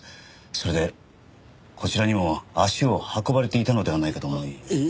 それでこちらにも足を運ばれていたのではないかと思い。